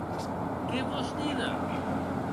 Qué vòs díder?